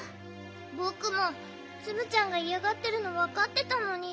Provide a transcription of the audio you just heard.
ぼくもツムちゃんがいやがってるのわかってたのに。